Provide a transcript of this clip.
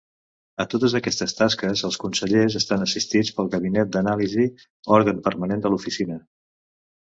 A totes aquestes tasques els Consellers estan assistits pel Gabinet d'Anàlisi, òrgan permanent de l'Oficina.